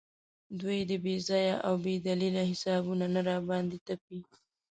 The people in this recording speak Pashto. دوی دې بې ځایه او بې دلیله حسابونه نه راباندې تپي.